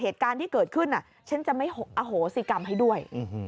เหตุการณ์ที่เกิดขึ้นฉันจะไม่อโหสิกรรมให้ด้วย